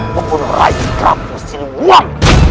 membunuh raih krabus di luar